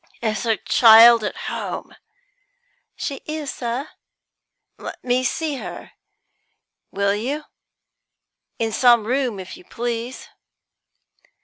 "Is her child at home?" "She is, sir." "Let me see her, will you? In some room, if you please."